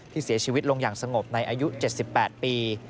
เสียชีวิตลงอย่างสงบในอายุ๗๘ปี